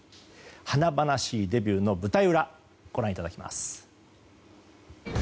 華々しいデビューの舞台裏ご覧いただきます。